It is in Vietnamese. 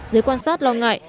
giới quan sát lo ngại